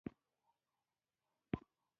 له مومندو قبیلې سره دېره سو.